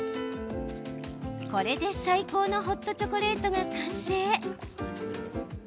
これで最高のホットチョコレートが完成。